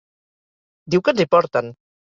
Diu que ens hi porten.